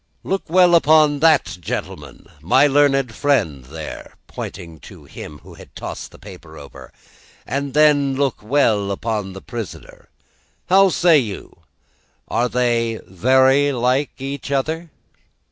"Look well upon that gentleman, my learned friend there," pointing to him who had tossed the paper over, "and then look well upon the prisoner. How say you? Are they very like each other?"